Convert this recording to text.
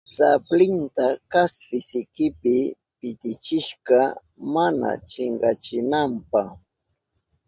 Sablinta kaspi sikipi pitichishka mana chinkachinanpa.